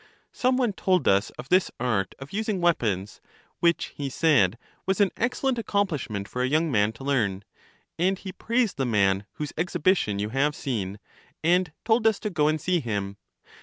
Some one told us of this art of using weapons, which, he said, was an excellent accomplish ment for a young man to learn; and he praised the man whose exhibition you have seen, and told us to go and see him.